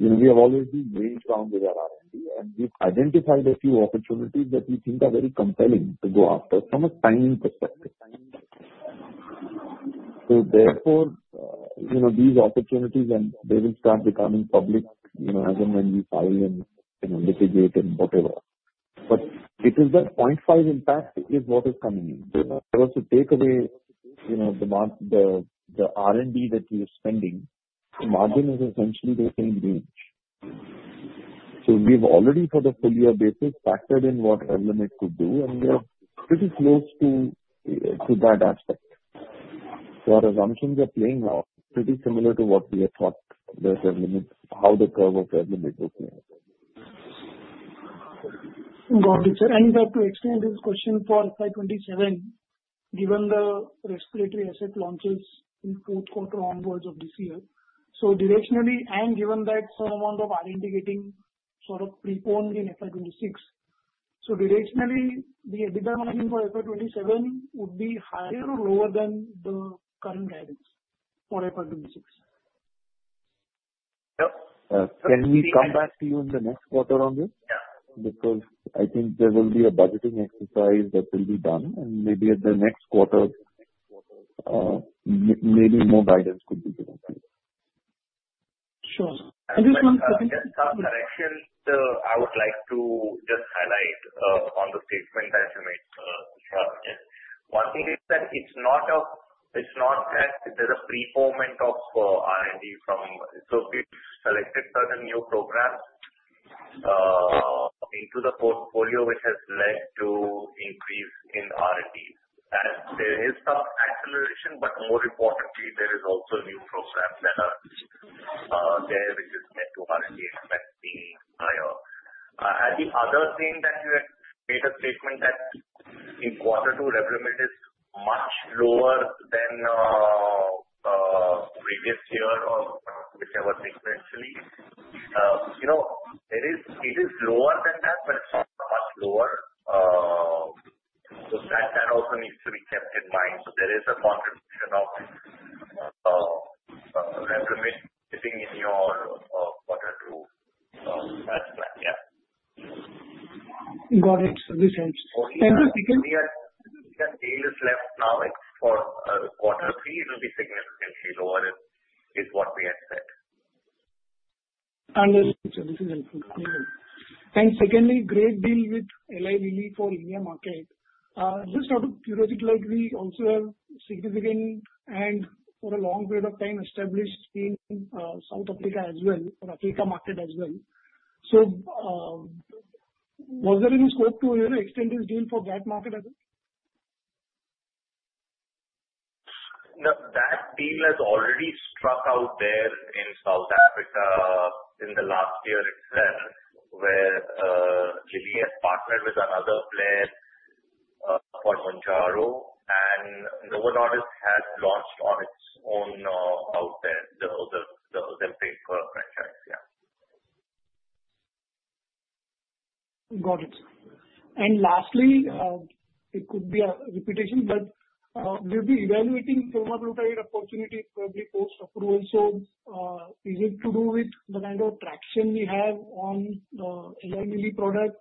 Speaker 3: We have already ramped up with our R&D, and we've identified a few opportunities that we think are very compelling to go after from a timing perspective. So, therefore, these opportunities, and they will start becoming public as and when we file and litigate and whatever. But it is that 0.5 impact that is coming in. So, to take away the R&D that we are spending, the margin is essentially the same range. So we've already, for the full year basis, factored in what Revlimid could do, and we are pretty close to that aspect. So our assumptions are playing out pretty similar to what we had thought Revlimid, how the curve of Revlimid will play out.
Speaker 12: Got it, sir. And to extend this question for FY 2027, given the respiratory asset launches in fourth quarter onwards of this year, so directionally, and given that some amount of R&D getting sort of preponed in FY 2026, so directionally, the EBITDA margin for FY 2027 would be higher or lower than the current guidance for FY 2026?
Speaker 3: Yep. Can we come back to you in the next quarter, Umang, because I think there will be a budgeting exercise that will be done, and maybe at the next quarter, maybe more guidance could be given to you.
Speaker 12: Sure. Just one second.
Speaker 4: Actually, I would like to just highlight on the statement that you made, Tushar. One thing is that it's not that there's a preponement of R&D from so we've selected certain new programs into the portfolio, which has led to increase in R&D. There is some acceleration, but more importantly, there is also new programs that are there, which is led to R&D expense being higher. And the other thing that you had made a statement that in quarter two, Revlimid is much lower than previous year or whichever sequentially. It is lower than that, but it's not much lower. So that also needs to be kept in mind. So there is a contribution of Revlimid sitting in your quarter two plan. Yeah.
Speaker 12: Got it. This helps. And just.
Speaker 4: We have tailwinds left now for quarter three. It will be significantly lower, is what we had said.
Speaker 12: Understood, sir. This is helpful. And secondly, great deal with Eli Lilly for India market. Just out of curiosity, we also have significant and for a long period of time established in South Africa as well, or Africa market as well. So was there any scope to extend this deal for that market as well?
Speaker 4: That deal has already struck out there in South Africa in the last year itself, where Lilly has partnered with another player for Mounjaro, and Novo Nordisk has launched on its own out there, the Ozempic franchise. Yeah.
Speaker 12: Got it. And lastly, it could be a repetition, but we'll be evaluating semaglutide opportunity probably post-approval. So is it to do with the kind of traction we have on the Eli Lilly product.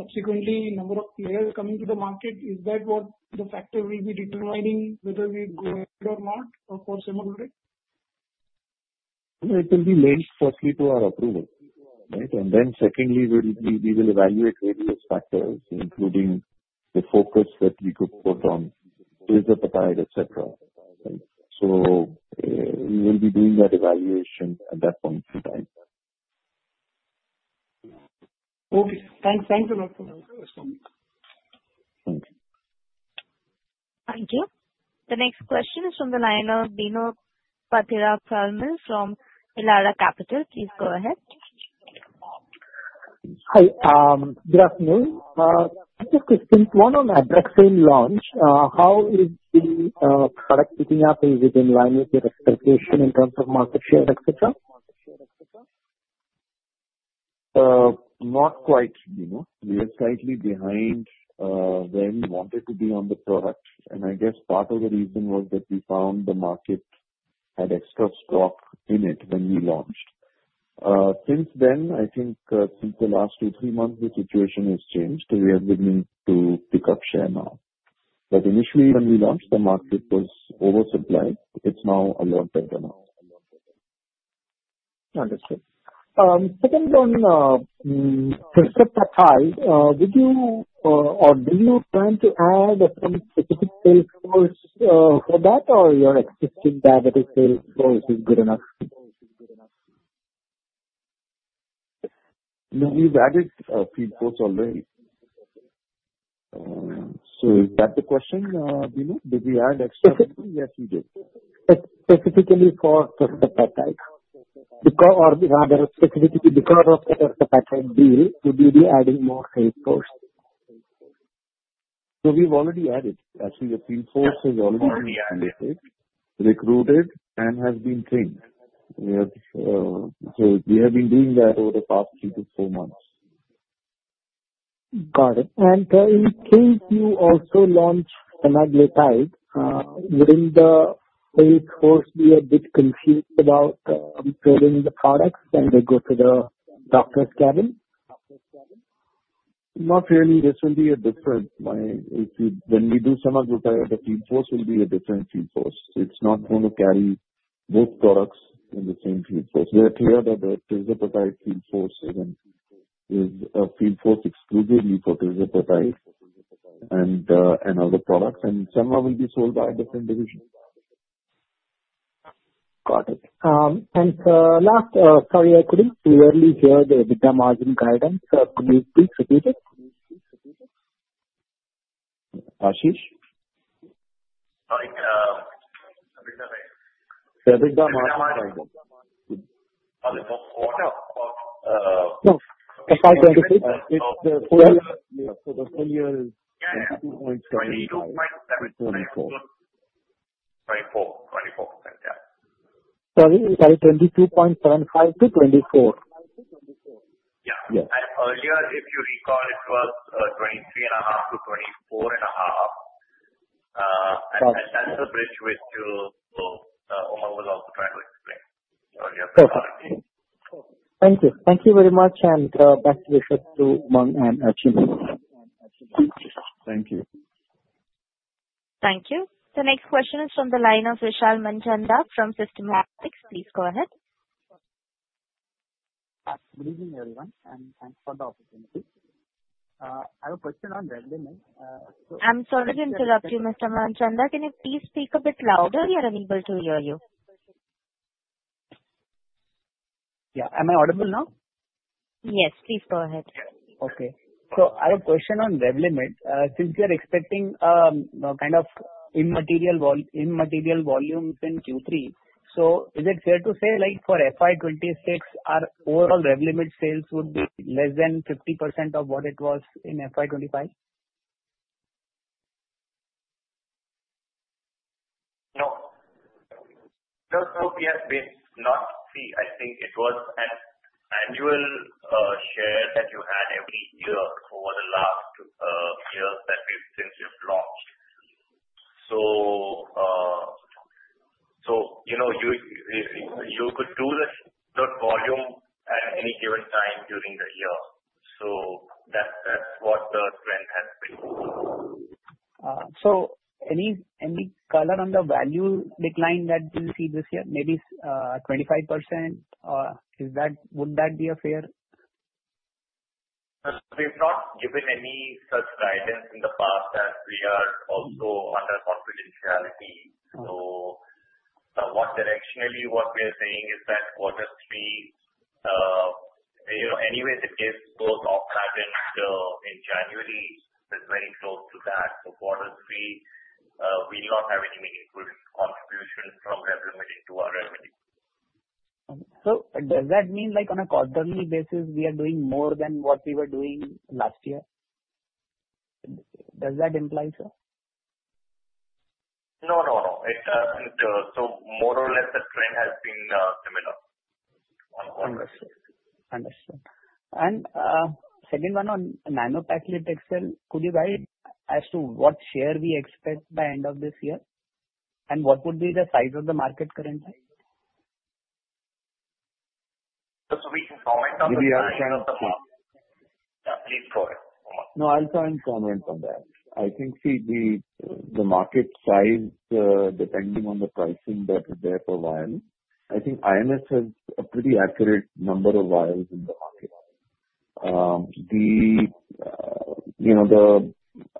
Speaker 12: Subsequently number of players coming to the market? Is that what the factor will be determining whether we go ahead or not for semaglutide?
Speaker 3: It will be linked firstly to our approval, right? And then secondly, we will evaluate various factors, including the focus that we could put on tirzepatide, etc. Right? So we will be doing that evaluation at that point in time.
Speaker 12: Okay. Thanks. Thanks a lot, sir.
Speaker 3: Thank you.
Speaker 1: Thank you. The next question is from the line of Bino Pathiparampil from Elara Capital. Please go ahead.
Speaker 13: Hi. Good afternoon. Just a quick one on Abraxane launch. How is the product picking up? Is it in line with your expectation in terms of market share, etc.?
Speaker 3: Not quite. We were slightly behind when we wanted to be on the product, and I guess part of the reason was that we found the market had extra stock in it when we launched. Since then, I think since the last two, three months, the situation has changed. We are beginning to pick up share now, but initially, when we launched, the market was oversupplied. It's now a lot better now.
Speaker 13: Understood. Second on tirzepatide, would you or do you plan to add some specific sales force for that, or your existing diabetic sales force is good enough?
Speaker 3: We've added field force already. So is that the question, Bino? Did we add extra people? Yes, we did.
Speaker 13: Specifically for tirzepatide or rather specifically because of the tirzepatide deal, would we be adding more sales force?
Speaker 3: No we've already added. Actually, the field force has already been recruited and has been trained. So we have been doing that over the past three to four months.
Speaker 13: Got it. And in case you also launch semaglutide, wouldn't the field force be a bit confused about selling the products when they go to the doctor's cabin?
Speaker 3: Not really. This will be a different. When we do semaglutide, the field force will be a different field force. It's not going to carry both products in the same field force. We are clear that the tirzepatide field force is a field force exclusively for tirzepatide and other products, and some will be sold by different divisions.
Speaker 13: Got it. And last, sorry, I couldn't clearly hear the EBITDA margin guidance. Could you please repeat it?
Speaker 3: Ashish?
Speaker 4: Sorry. EBITDA rate?
Speaker 3: EBITDA margin guidance.
Speaker 4: Oh, the quarter of?
Speaker 13: No. Of FY 2026?
Speaker 3: It's the full year. Yeah. So the full year is
Speaker 4: Yeah. 22.75%-24%. Like that. Yeah.
Speaker 13: Sorry. 22.75%-24%?
Speaker 3: Yeah.
Speaker 4: Yeah. And earlier, if you recall, it was 23.5%-24.5%. And that's the bridge which Umang was also trying to explain earlier for R&D.
Speaker 13: Perfect. Thank you. Thank you very much. And best wishes to Umang and Achin.
Speaker 3: Thank you.
Speaker 1: Thank you. The next question is from the line of Vishal Manchanda from Systematix Group. Please go ahead.
Speaker 14: Good evening, everyone, and thanks for the opportunity. I have a question on Revlimid.
Speaker 1: I'm sorry to interrupt you, Mr. Manchanda. Can you please speak a bit louder? We are unable to hear you.
Speaker 14: Yeah. Am I audible now?
Speaker 1: Yes. Please go ahead.
Speaker 14: Okay. So I have a question on Revlimid. Since we are expecting kind of immaterial volumes in Q3, so is it fair to say for FY 2026, our overall Revlimid sales would be less than 50% of what it was in FY 2025?
Speaker 8: No. No, no. We have been not. See, I think it was an annual share that you had every year over the last year since you've launched. So you could do the volume at any given time during the year. So that's what the trend has been.
Speaker 14: So, any color on the value decline that you see this year, maybe 25%? Would that be a fair?
Speaker 4: We've not given any such guidance in the past as we are also under confidentiality. So, what directionally we are saying is that quarter three, anyway, the patent goes off patent in January, it's very close to that, so quarter three, we'll not have any meaningful contribution from Revlimid into our revenue.
Speaker 14: So does that mean on a quarterly basis, we are doing more than what we were doing last year? Does that imply so?
Speaker 4: No, no, no. So more or less, the trend has been similar on quarter [inaudible]
Speaker 14: Understood. Understood. And second one on nanopaclitaxel, could you guide as to what share we expect by end of this year? And what would be the size of the market currently?
Speaker 4: So we can comment on the question. Yeah. Please go ahead, Umang.
Speaker 3: No, I'll try and comment on that. I think, see, the market size depending on the pricing that is there for vials. I think IMS has a pretty accurate number of vials in the market.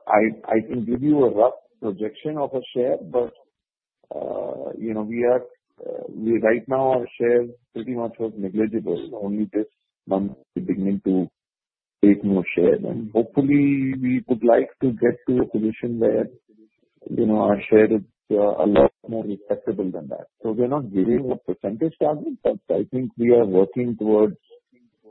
Speaker 3: I can give you a rough projection of a share, but we are right now, our share pretty much was negligible. Only this month, we're beginning to take more share. And hopefully, we would like to get to a position where our share is a lot more respectable than that. So we're not giving a percentage target, but I think we are working towards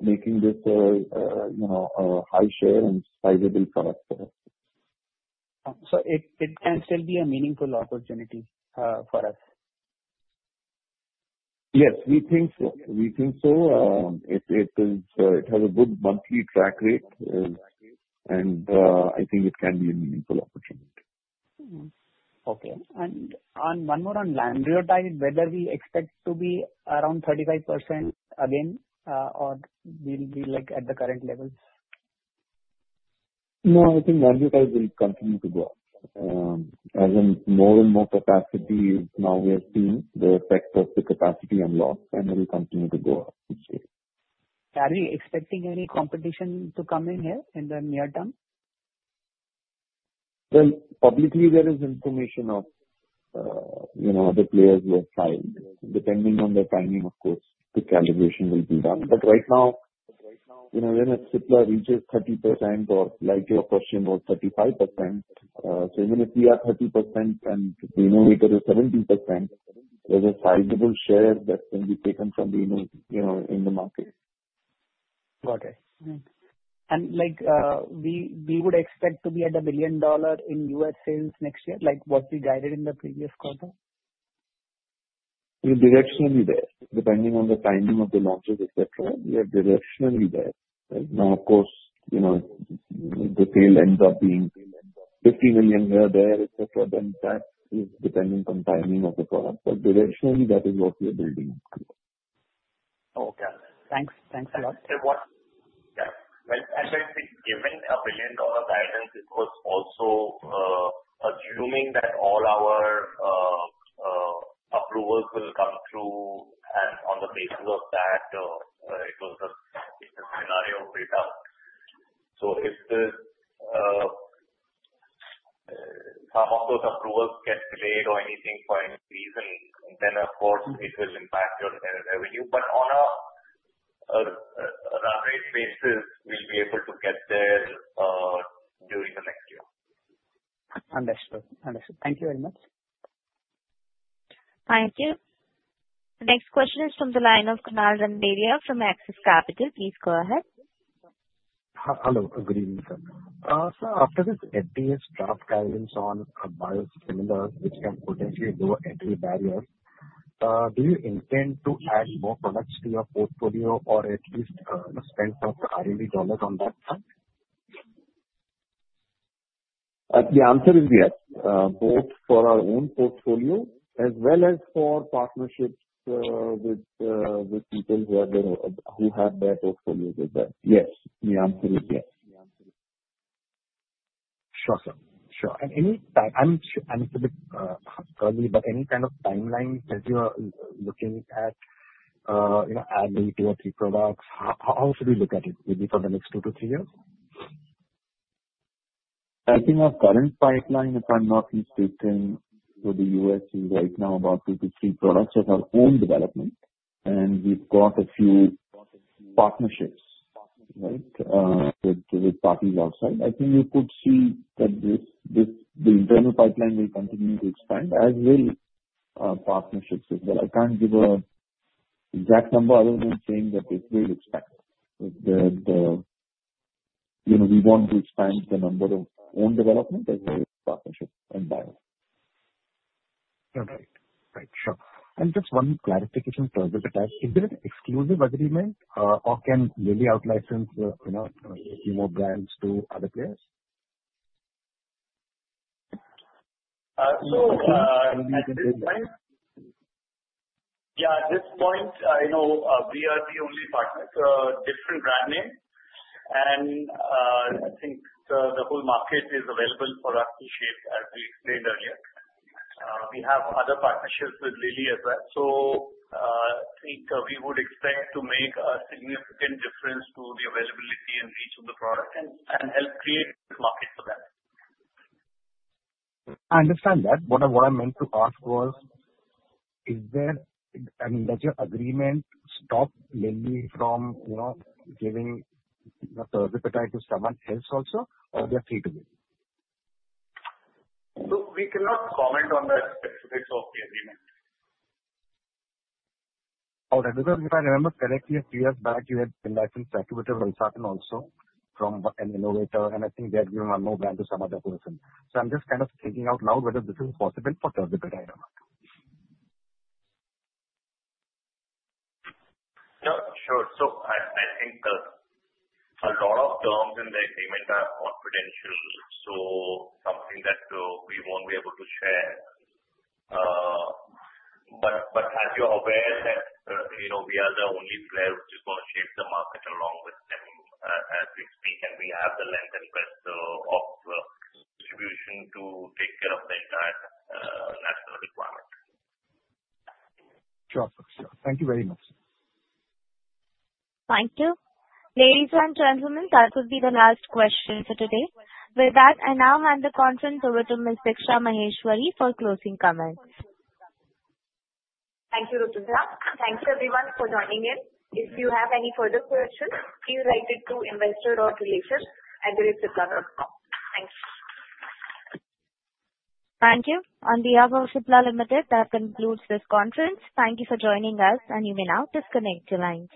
Speaker 3: making this a high share and sizable product for us.
Speaker 14: So, it can still be a meaningful opportunity for us?
Speaker 3: Yes, we think so. We think so. It has a good monthly track rate, and I think it can be a meaningful opportunity.
Speaker 14: Okay. And one more on lanreotide, whether we expect to be around 35% again, or will be at the current levels?
Speaker 3: No, I think lanreotide will continue to go up. As in more and more capacity is now, we have seen the effect of the capacity unlock and it will continue to go up each year.
Speaker 14: Are we expecting any competition to come in here in the near term?
Speaker 3: Publicly, there is information of the players who have filed. Depending on the timing, of course, the calibration will be done. But right now, when a single player reaches 30% or like your question was 35%, so even if we are 30% and we move it to 70%, there's a sizable share that can be taken from the Indian market.
Speaker 14: Okay. And we would expect to be at $1 billion in U.S. sales next year, like what we guided in the previous quarter?
Speaker 3: We're directionally there. Depending on the timing of the launches, etc., we are directionally there. Now, of course, the tail ends up being $50 million here, there, etc., then that is depending on timing of the product. But directionally, that is what we are building up to.
Speaker 14: Okay. Thanks. Thanks a lot.
Speaker 4: Yeah. Well, and when we've given a $1 billion guidance, it was also assuming that all our approvals will come through, and on the basis of that, it was a scenario built out. So if some of those approvals get delayed or anything for any reason, then of course, it will impact your revenue. But on a run rate basis, we'll be able to get there during the next year.
Speaker 14: Understood. Understood. Thank you very much.
Speaker 1: Thank you. The next question is from the line of Kunal Randeria from Axis Capital. Please go ahead.
Speaker 15: Hello. Good evening, sir. Sir, after this FDA draft guidance on biosimilars which can potentially lower entry barriers, do you intend to add more products to your portfolio or at least spend some R&D dollars on that?
Speaker 3: The answer is yes. Both for our own portfolio as well as for partnerships with people who have their portfolios with that. Yes. The answer is yes.
Speaker 15: Sure, sir. Sure. And any kind of timeline as you're looking at adding two or three products, how should we look at it? Maybe for the next two to three years?
Speaker 3: I think our current pipeline, if I'm not mistaken, for the U.S. is right now about two to three products of our own development, and we've got a few partnerships, right, with parties outside. I think you could see that the internal pipeline will continue to expand, as will partnerships as well. I can't give an exact number other than saying that it will expand. We want to expand the number of own development as partnerships and bio.
Speaker 15: Okay. Right. Sure. And just one clarification to tirzepatide. Is it exclusive agreement? Or can Lilly out-license a few more brands to other players?
Speaker 8: Yeah. At this point, we are the only partner, different brand name. And I think the whole market is available for us to ship, as we explained earlier. We have other partnerships with Lilly as well. So I think we would expect to make a significant difference to the availability and reach of the product and help create this market for them.
Speaker 15: I understand that. What I meant to ask was, I mean, does your agreement stop Lilly from giving tirzepatide to someone else also, or they are free to you?
Speaker 8: We cannot comment on the specifics of the agreement.
Speaker 15: All right. Because if I remember correctly, a few years back, you had in-licensed sacubitril valsartan also from an innovator, and I think they had given one more brand to some other person. So I'm just kind of thinking out loud whether this is possible for tirzepatide or not.
Speaker 4: Sure, so I think a lot of terms in the agreement are confidential, so something that we won't be able to share, but as you're aware, we are the only player which is going to shape the market along with them as we speak, and we have the length and breadth of distribution to take care of the entire national requirement.
Speaker 15: Sure. Sure. Thank you very much.
Speaker 1: Thank you. Ladies and gentlemen, that would be the last question for today. With that, I now hand the conference over to Ms. Diksha Maheshwari for closing comments. Thank you, Rutuja. Thank you, everyone, for joining in. If you have any further questions, please write it to investor.relations@cipla.com. Thanks. Thank you. On behalf of Cipla Limited, that concludes this conference. Thank you for joining us, and you may now disconnect your lines.